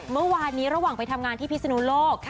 เมื่อวานนี้ระหว่างไปทำงานที่พิศนุโลก